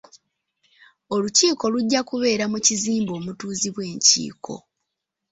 Olukiiko lujja kubeera mu kizimbe omutuuzibwa enkiiko.